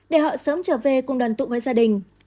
để họ sớm trở về cùng đoàn tụ với gia đình